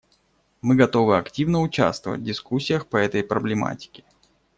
Мы готовы активно участвовать в дискуссиях по этой проблематике.